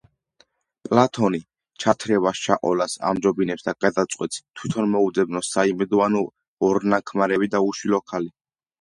პლათონი ჩათრევას ჩაყოლას ამჯობინებს და გადაწყვეტს , თვითონ მოუძებნოს"საიმედო" ანუ ორნაქმარევი და უშვილო ქალი.